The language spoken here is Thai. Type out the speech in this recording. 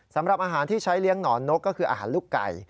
สำหรับอาหารที่ใช้เลี้ยงหนอนนกก็คืออาหารลูกไก่